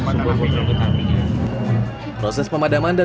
proses pemadaman dan pendinginannya